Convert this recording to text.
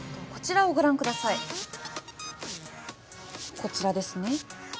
こちらですね。